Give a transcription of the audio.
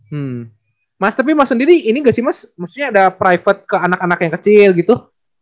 hmm mas tapi mas sendiri ini gak sih mas maksudnya ada private ke anak anak yang kecil gitu